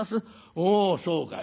『おおそうかい。